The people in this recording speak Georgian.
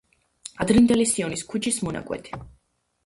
ადრინდელი სიონის ქუჩის მონაკვეთი.